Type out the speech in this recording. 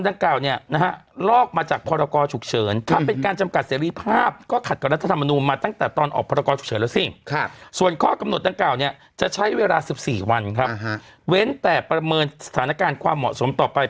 ได้เวลา๑๔วันครับเว้นแต่ประเมินสถานการณ์ความเหมาะสมต่อไป